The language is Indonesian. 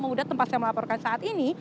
yang memudah tempat saya melaporkan saat ini